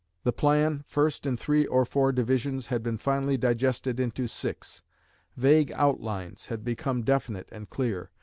The plan, first in three or four divisions, had been finally digested into six. Vague outlines had become definite and clear.